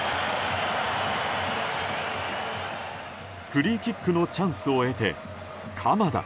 フリーキックのチャンスを得て鎌田。